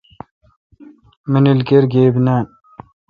مانیل کیر گیب نان۔